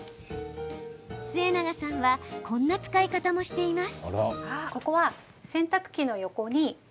末永さんはこんな使い方もしています。